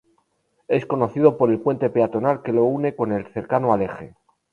Es conocido por el puente peatonal que lo une con el cercano Aleje.